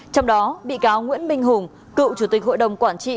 trong đó bị cáo nguyễn minh hùng cựu chủ tịch hội đồng quản trị